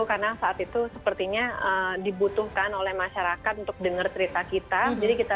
karena saat itu sepertinya dibutuhkan oleh masyarakat untuk dengar cerita kita jadi kita